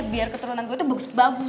biar keturunan gue tuh bagus bagus